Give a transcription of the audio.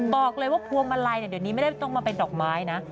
บอกเลยว่าพวงมาลัยเดี๋ยวนี้ไม่ได้ต้องมาเป็นดอกไม้นะ